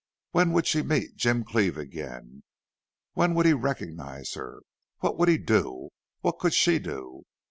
When would she meet Jim Cleve again? When would he recognize her? What would he do? What could she do?